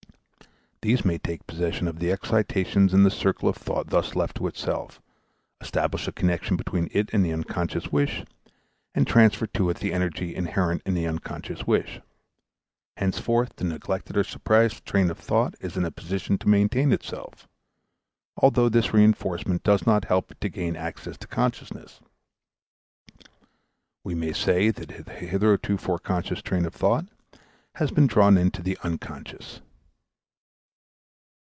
These may take possession of the excitations in the circle of thought thus left to itself, establish a connection between it and the unconscious wish, and transfer to it the energy inherent in the unconscious wish. Henceforth the neglected or suppressed train of thought is in a position to maintain itself, although this reinforcement does not help it to gain access to consciousness. We may say that the hitherto foreconscious train of thought has been drawn into the unconscious.